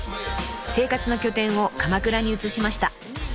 ［生活の拠点を鎌倉に移しました］